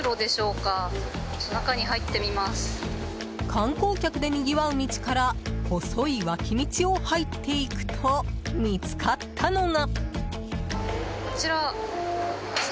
観光客でにぎわう道から細い脇道を入っていくと見つかったのが。